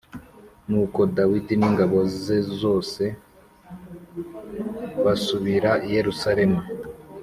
Nuko Dawidi n’ingabo ze zose basubira i Yerusalemu.